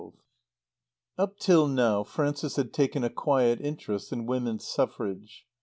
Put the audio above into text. XII Up till now Frances had taken a quiet interest in Women's Suffrage.